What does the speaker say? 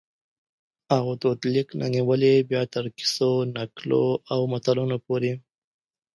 او دود لیک نه نیولي بیا تر کیسو ، نکلو او متلونو پوري